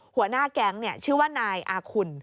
หัวหน้าแก๊งชื่อว่านายอาคุณ